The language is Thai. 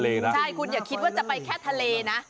ใช่คุณอย่าคิดว่าจะไปแค่ทะเลนะ